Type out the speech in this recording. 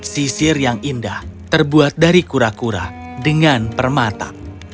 sisir yang indah terbuat dari kura kura dengan permata